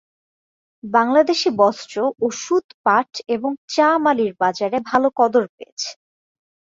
বাংলাদেশি বস্ত্র, ওষুধ, পাট এবং চা মালির বাজারে ভালো কদর পেয়েছে।